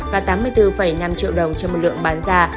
và tám mươi bốn năm triệu đồng trên một lượng bán ra